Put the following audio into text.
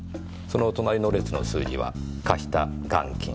その隣の列の数字は貸した元金。